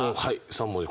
３文字